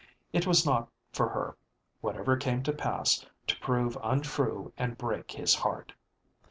It was not for her, whatever came to pass, to prove untrue and break his heart.